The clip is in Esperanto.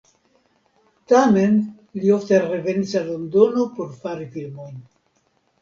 Tamen li ofte revenis al Londono por fari filmojn.